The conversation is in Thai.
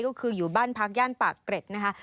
ก็คืออยู่บ้านพักย่านปากเกร็ดนะคะ